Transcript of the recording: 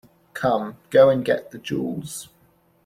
Come, go and get the jewels.